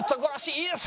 「いいですね」